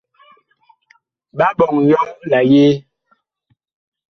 Ɓa ɓɔŋ yɔ la yee ?